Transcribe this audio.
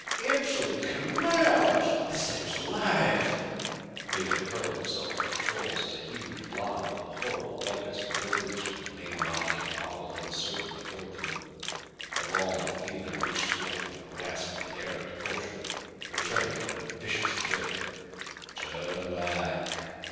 "Imps of the canals! The thing's alive!" Mado hurled himself at the controls as a huge blob of the horrible whiteness broke loose from the main body and wobbled uncertainly toward them. A long feeler reached forth and grasped the errant portion, returning it with a vicious jerk. "Turn back!